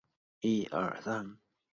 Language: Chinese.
斯图加特号于战斗期间没有受损。